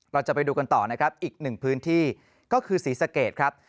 เราจะไปดูกันต่อนะครับอีกหนึ่งพื้นที่ก็คือศรีสะเกดครับ